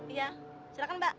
iya silahkan pak